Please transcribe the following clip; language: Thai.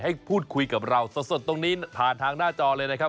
ให้พูดคุยกับเราสดตรงนี้ผ่านทางหน้าจอเลยนะครับ